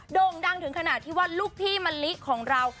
โด่งดังถึงขนาดที่ว่าลูกพี่มะลิของเรา